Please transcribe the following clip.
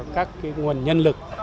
các nguồn nhân lực